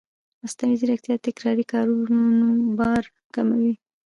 مصنوعي ځیرکتیا د تکراري کارونو بار کموي.